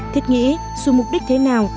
thiết nghĩ dù mục đích thế nào